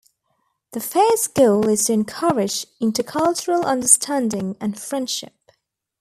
The Fair's goal is to encourage intercultural understanding and friendship.